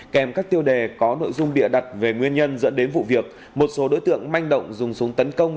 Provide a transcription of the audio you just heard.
kèm các tiêu đề có nội dung bịa đặt về nguyên nhân dẫn đến vụ việc một số đối tượng manh động dùng súng tấn công